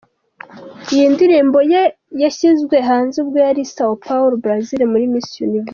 Iyi ndirimbo ye yashyizwe hanze ubwo yari i São Paulo, Brazil muri Miss Universe.